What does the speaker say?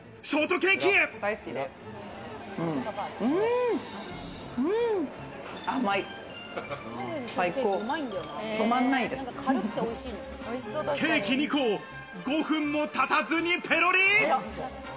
ケーキ２個を５分もたたずにペロリ！